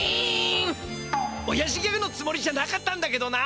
おやじギャグのつもりじゃなかったんだけどな！